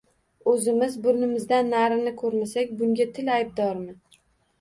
O‘zimiz burnimizdan narini ko‘rmasak, bunga… til aybdormi?